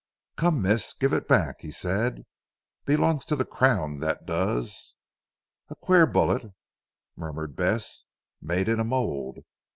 "Come Miss give it back?" he said. "Belongs to the Crown that does." "A queer bullet," murmured Bess, "made in a mould.